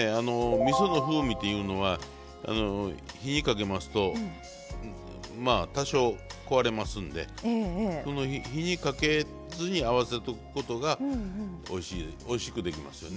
みその風味というのは火にかけますと多少壊れますんで火にかけずに合わせておくことがおいしくできますよね。